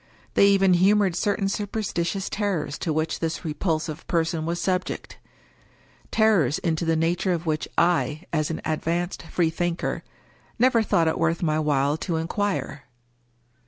They even humored certain superstitious terrors to which this repulsive person was subject — ^terrors into the nature of which I, as an ad vanced freethinker, never thought it worth my while to inquire.